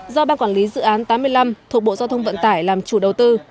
do ban quản lý dự án tám mươi năm thuộc bộ giao thông vận tải làm chủ đầu tư